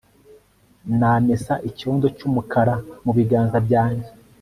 Namesa icyondo cyumukara mu biganza byanjye